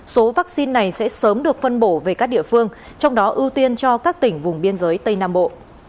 số vaccine này sẽ sớm được phân bổ về các địa phương trong đó ưu tiên cho các tỉnh vùng biên giới tây nam bộ